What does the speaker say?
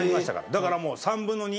だからもう３分の２。